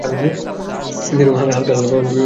দেহের রং হালকা লাল বা ধূসর বর্ণের।